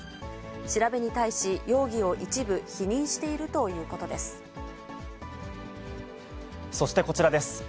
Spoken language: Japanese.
調べに対し、容疑を一部否認してそしてこちらです。